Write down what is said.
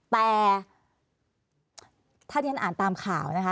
แต่ถ้าที่ฉันอ่านตามข่าวนะคะ